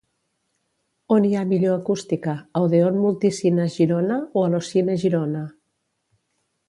On hi ha millor acústica, a Odeón Multicines Girona o a l'Ocine Girona?